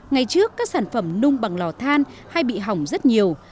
ngày trước các sản phẩm nung bằng lò than hay bị hỏng rất nhiều